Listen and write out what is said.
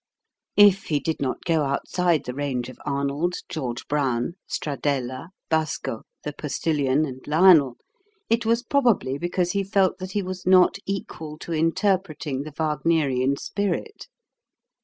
If he did not go outside the range of Arnold, George Brown, Stradella, Basco, the Postilion, and Lionel, it was probably because he felt that he was not equal to interpreting the Wagnerian spirit.